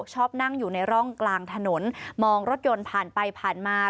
ชอบนั่งอยู่ในร่องกลางถนนมองรถยนต์ผ่านไปผ่านมา